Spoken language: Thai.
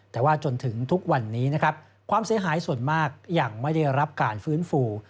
แต่ว่าจนถึงทุกวันนี้นะครับความเสียหายส่วนมากยังไม่ได้รับการฟื้นฟู